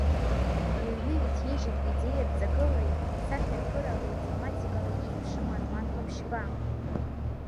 Иҩны иҭижьит идеиатә ҵакылеи, сахьаркыралеи, тематикалеи еиԥшым ароманқәа ԥшьба…